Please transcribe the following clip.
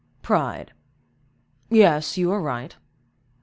"Pride,—yes, you are right.